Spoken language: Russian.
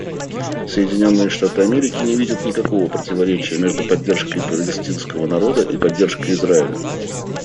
Соединенные Штаты Америки не видят никакого противоречия между поддержкой палестинского народа и поддержкой Израиля.